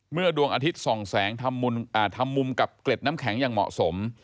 ดวงอาทิตย์ส่องแสงทำมุมกับเกล็ดน้ำแข็งอย่างเหมาะสม